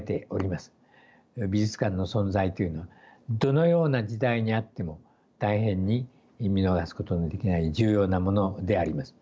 美術館の存在というのはどのような時代にあっても大変に見逃すことのできない重要なものであります。